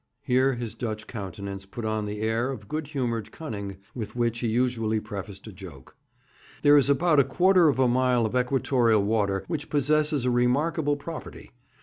Here his Dutch countenance put on the air of good humoured cunning with which he usually prefaced a joke. 'There is about a quarter of a mile of Equatorial water which possesses a remarkable property.